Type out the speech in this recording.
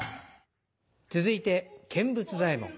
続いて「見物左衛門」。